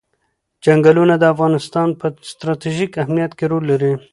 چنګلونه د افغانستان په ستراتیژیک اهمیت کې رول لري.